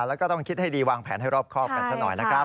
แล้วก็ต้องคิดให้ดีวางแผนให้รอบครอบกันซะหน่อยนะครับ